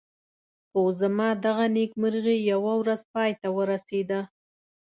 خو زما دغه نېکمرغي یوه ورځ پای ته ورسېده.